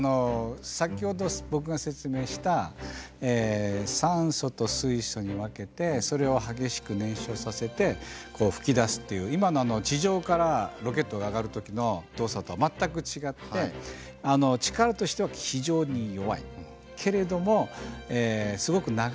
先ほど僕が説明した酸素と水素に分けてそれを激しく燃焼させて噴き出すっていう今の地上からロケットが上がるときの動作とは全く違って力としては非常に弱い。